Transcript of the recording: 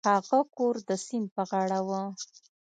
هغه کور د سیند په غاړه و.